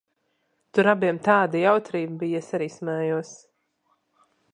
Tur abiem tāda jautrība bija, es arī smējos.